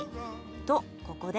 とここで。